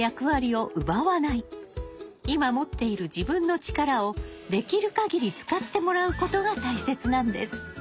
今持っている自分の力をできる限り使ってもらうことが大切なんです。